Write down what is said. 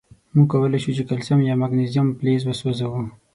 مونږ کولای شو چې کلسیم یا مګنیزیم فلز وسوځوو.